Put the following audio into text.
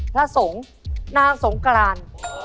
พระสงฆ์นางสงกราน